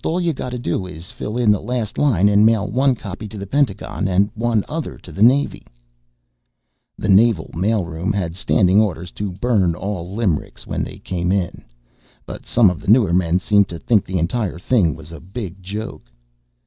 All you have to do is fill in the last line, and mail one copy to the Pentagon and the other to the Navy ..." The Naval mail room had standing orders to burn all the limericks when they came in, but some of the newer men seemed to think the entire thing was a big joke.